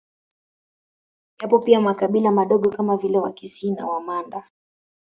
Yapo pia makabila madogo kama vile Wakisi na Wamanda